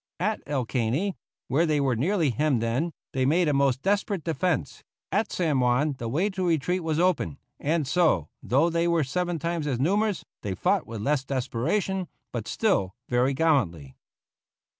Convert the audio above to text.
At El Caney, where they were nearly hemmed in, they made a most desperate defence; at San Juan the way to retreat was open, and so, though they were seven times as numerous, they fought with less desperation, but still very gallantly.